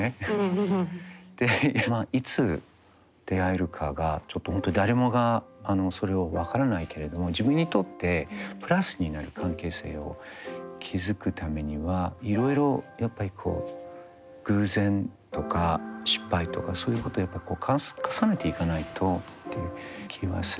でまあいつ出会えるかがちょっと本当に誰もがそれを分からないけれども自分にとってプラスになる関係性を築くためにはいろいろやっぱり偶然とか失敗とかそういうことをやっぱり重ねていかないとっていう気はするな。